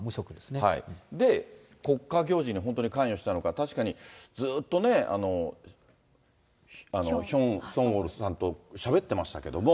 で、国家行事に本当に関与したのか、確かにずーっとね、ヒョン・ソンウォルさんとしゃべってましたけれども。